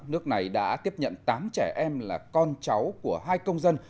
nước này đã tiếp nhận tám trẻ em là con cháu của hai công dân